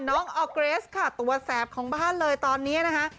ออร์เกรสค่ะตัวแสบของบ้านเลยตอนนี้นะคะ